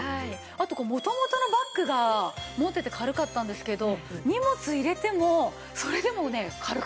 あと元々のバッグが持ってて軽かったんですけど荷物入れてもそれでもね軽く感じます。